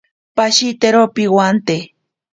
Pashitero piwante.